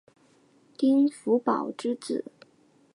丁福保之子。